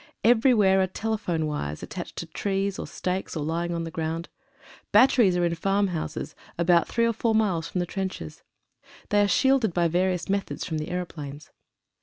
Everywhere are telephone wires at tached to trees or stakes, or lying on the ground. Bat teries are in farm houses, about three or four miles from the trenches. They are shielded by various methods from the aeroplanes.